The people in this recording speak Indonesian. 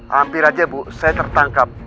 hampir aja bu saya tertangkap